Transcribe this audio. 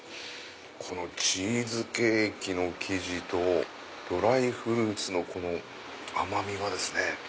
チーズケーキの生地とドライフルーツの甘みがですね